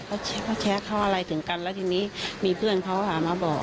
เขาแชทเขาอะไรถึงกันแล้วทีนี้มีเพื่อนเขาหามาบอก